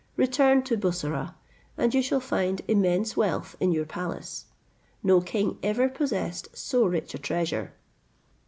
Return to Bussorah, and you shall find immense wealth in your palace. No king ever possessed so rich a treasure."